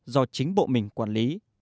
do chính bộ mình quản lý